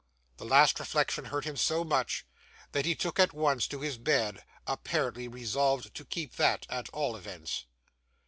The last reflection hurt him so much, that he took at once to his bed; apparently resolved to keep that, at all events.